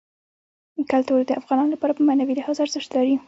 کلتور د افغانانو لپاره په معنوي لحاظ ارزښت لري.